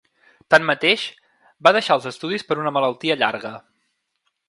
Tanmateix, va deixar els estudis per una malaltia llarga.